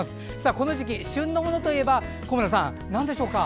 この時期、旬のものといえば小村さん、なんでしょうか？